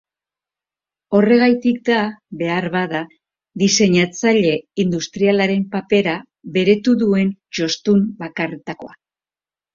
Horregatik da, beharbada, diseinatzaile industrialaren papera beretu duen jostun bakarretakoa.